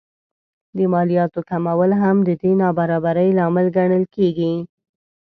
د مالیاتو کمول هم د دې نابرابرۍ لامل ګڼل کېږي